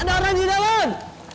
ada orang di dalam